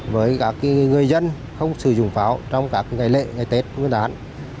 với các người dân không sử dụng pháo trong các ngày lễ ngày tết nguyên đán